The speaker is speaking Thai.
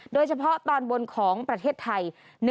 โดยเฉพาะตอนบนของประเทศไทย